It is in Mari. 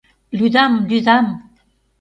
— Лӱдам, лӱдам!